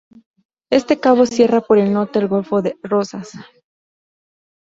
Este cabo cierra por el norte el golfo de Rosas.